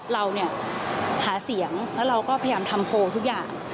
เราเนี่ยหาเสียงแล้วเราก็พยายามทำโพลทุกอย่าง